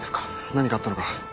何かあったのか？